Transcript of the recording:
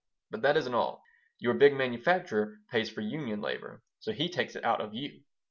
But that isn't all. Your big manufacturer pays for union labor, so he takes it out of you.